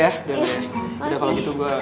udah kalau gitu gue duluan ya